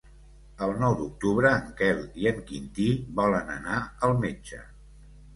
El nou d'octubre en Quel i en Quintí volen anar al metge.